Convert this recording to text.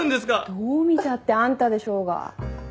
どう見たってあんたでしょうが。